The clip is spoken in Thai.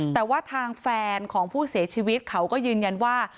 แต่ว่าทางแฟนของผู้เสียชีวิตเขาก็ยืนยันว่า